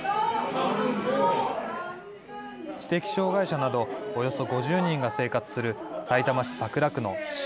知的障害者などおよそ５０人が生活する、さいたま市桜区のし